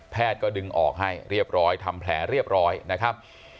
ก็ดึงออกให้เรียบร้อยทำแผลเรียบร้อยนะครับ